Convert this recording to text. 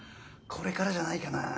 これからじゃないかなあ。